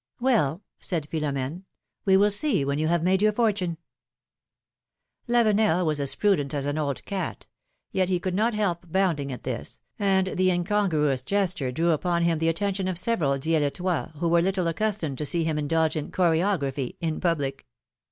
Well said Philom^ne, we will see, when you have made your fortune.'^ Lavenel was as prudent as an old cat ; yet he could not help bounding at this, and the incongruous gesture drew upon him the attention of several Dielettois, Avho were little accustomed to see him indulge in choregraphy in public.